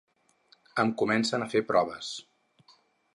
Em comencen a fer proves.